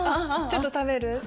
「ちょっと食べる？」